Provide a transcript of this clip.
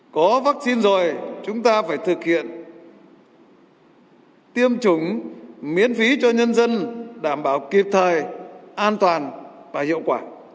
có vaccine rồi chúng ta phải thực hiện tiêm chủng miễn phí cho nhân dân đảm bảo kịp thời an toàn và hiệu quả